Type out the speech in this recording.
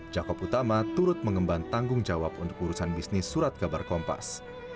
jakob utama turut mengemban tanggung jawab untuk urusan bisnis surat kabar kompas